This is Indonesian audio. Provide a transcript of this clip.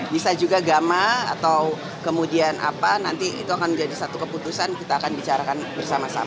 bisa juga gama atau kemudian apa nanti itu akan menjadi satu keputusan kita akan bicarakan bersama sama